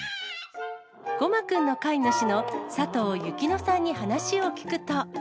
ごまくんの飼い主の佐藤友紀乃さんに話を聞くと。